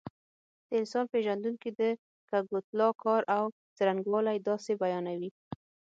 د انسان پېژندونکي د کګوتلا کار او څرنګوالی داسې بیانوي.